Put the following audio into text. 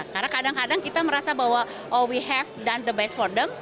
karena kadang kadang kita merasa bahwa oh we have done the best for them